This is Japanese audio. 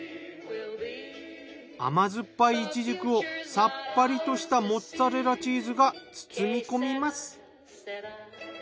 甘酸っぱいいちじくをさっぱりとしたモッツァレラチーズが包み込みます。